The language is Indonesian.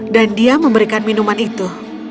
dan dia memberikan minuman itu